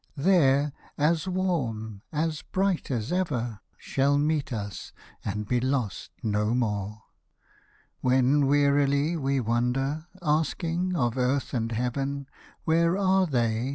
There, as warm, as bright as ever, Shall meet us and be lost no more. When wearily we wander, asking Of earth and heaven, where are they.